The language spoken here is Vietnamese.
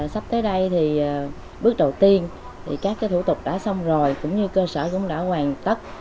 sắp tới đây thì bước đầu tiên thì các thủ tục đã xong rồi cũng như cơ sở cũng đã hoàn tất